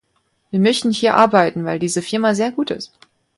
Wir möchten hier arbeiten, weil diese Firma sehr gut ist.